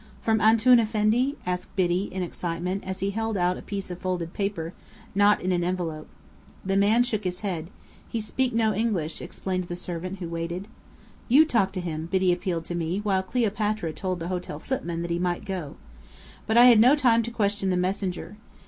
"From Antoun Effendi?" asked Biddy, in excitement, as he held out a piece of folded paper, not in an envelope. The man shook his head. "He spik no English," explained the servant who waited. "You talk to him," Biddy appealed to me, while Cleopatra told the hotel footman that he might go. But I had no time to question the messenger.